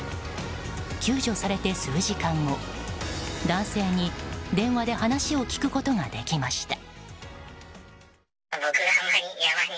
救助されて数時間後、男性に電話で話を聞くことができました。